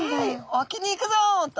「沖に行くぞ」と。